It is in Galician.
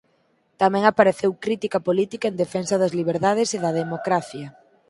Tamén apareceu crítica política en defensa das liberdades e da democracia.